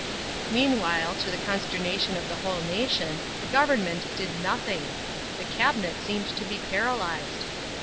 Meanwhile, to the consternation of the whole nation, the Government did nothing. The Cabinet seemed to be paralysed.